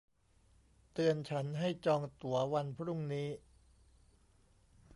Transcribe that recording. เตือนฉันให้จองตั๋ววันพรุ่งนี้